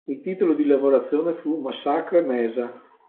Il titolo di lavorazione fu "Massacre Mesa".